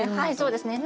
そうですね。